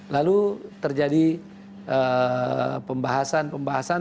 lalu terjadi pembahasan pembahasan